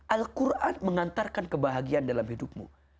al quran mengantarkan kebahagiaan dalam hidupmu